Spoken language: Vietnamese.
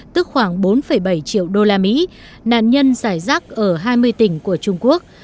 tức khoảng bốn bảy triệu đô la mỹ nạn nhân giải rác ở hai mươi tỉnh của trung quốc